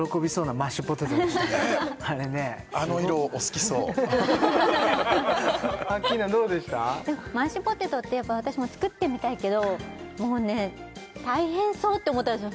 マッシュポテトって私も作ってみたいけどもうね大変そうって思ったんですよ